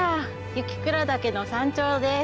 雪倉岳の山頂です。